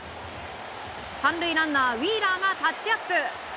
３塁ランナー、ウィーラーがタッチアップ。